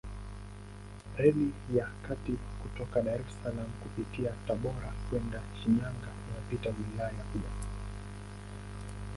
Reli ya kati kutoka Dar es Salaam kupitia Tabora kwenda Shinyanga inapita wilayani pia.